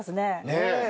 ねえ。